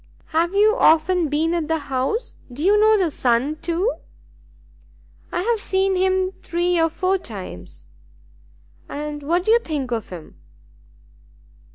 "Have you often been at the house? Do you know the son, too?" "I have seen him three or four times." "And what do you think of him?"